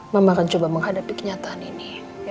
mama akan coba menghadapi kenyataan ini